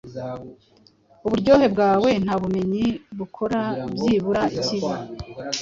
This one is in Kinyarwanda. Uburyohe bwawe nta bumenyi bukora, byibura ikibi,